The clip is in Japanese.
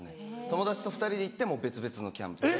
友達と２人で行っても別々のキャンプ。